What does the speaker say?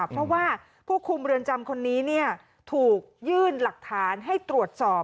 เพราะว่าผู้คุมเรือนจำคนนี้ถูกยื่นหลักฐานให้ตรวจสอบ